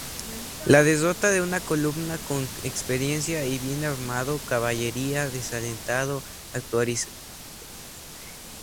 La derrota de una columna con experiencia y bien armado caballería desalentado autoridades Cabo.